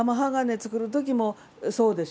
作る時もそうでしょ。